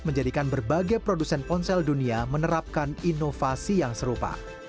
menjadikan berbagai produsen ponsel dunia menerapkan inovasi yang serupa